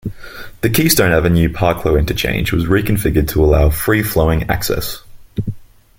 The Keystone Avenue parclo interchange was reconfigured to allow free-flowing access.